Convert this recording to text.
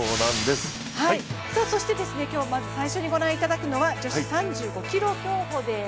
そして、今日まず最初に御覧いただくのは女子３５ｋｍ競歩です。